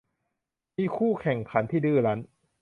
มีคู่แข่งขันที่ดื้อรั้น